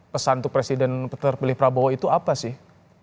pesan presiden terpilih prabowo itu apa sih